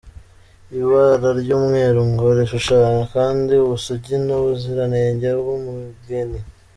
Ibara ry’umweru ngo rishushanya kandi ubusugi n’ubuziranenge bw’umugeni.